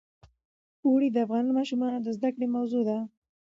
اوړي د افغان ماشومانو د زده کړې موضوع ده.